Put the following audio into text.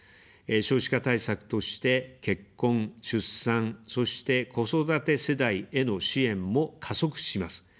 少子化対策として、結婚・出産、そして子育て世代への支援も加速します。